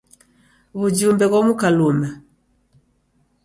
W'ujumbe ghomuka luma.